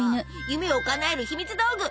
夢をかなえるひみつ道具。